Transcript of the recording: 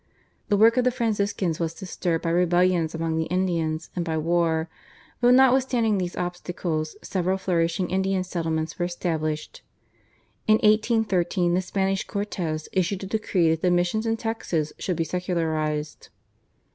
The work of the Franciscans was disturbed by rebellions among the Indians and by war, but notwithstanding these obstacles several flourishing Indian settlements were established. In 1813 the Spanish Cortes issued a decree that the missions in Texas should be secularised.